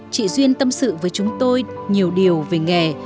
chị duyên tâm sự với chúng tôi nhiều điều về nghề